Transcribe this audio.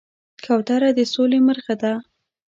کوتره د سولې مرغه ده.